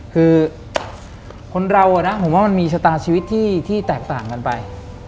คือคนเราก็มีชะตาชีวิตที่แตกต่างกันไป